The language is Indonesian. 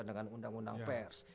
dengan undang undang pers